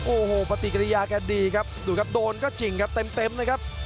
โอ้โหปฏิกิริยาแกดีครับดูครับโดนก็จริงครับเต็มเลยครับ